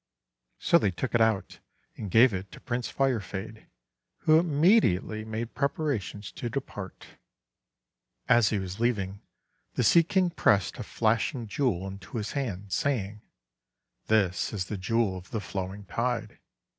So they took it out, and gave it to Prince Firefade, who immediately made preparations to depart. As he was leaving, the Sea King pressed a flashing jewel into his hand, saying: — "This is the Jewel of the Flo wing Tide.